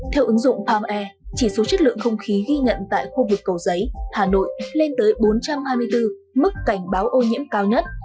theo ứng dụng palm air chỉ số chất lượng không khí ghi nhận tại khu vực cầu giấy hà nội lên tới bốn trăm hai mươi bốn mức cảnh báo ô nhiễm cao nhất